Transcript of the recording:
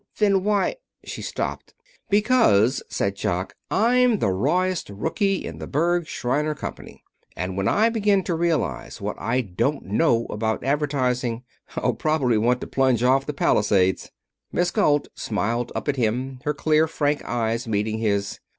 Then why " She stopped. "Because," said Jock, "I'm the rawest rooky in the Berg, Shriner Company. And when I begin to realize what I don't know about advertising I'll probably want to plunge off the Palisades." Miss Galt smiled up at him, her clear, frank eyes meeting his.